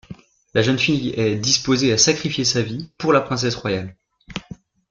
La jeune fille est disposée à sacrifier sa vie pour la princesse royale.